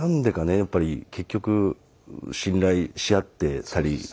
やっぱり結局信頼し合ってたりしますね。